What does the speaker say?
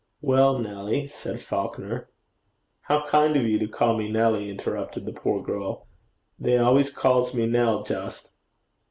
'Well, Nelly,' said Falconer. 'How kind of you to call me Nelly!' interrupted the poor girl. 'They always calls me Nell, just.'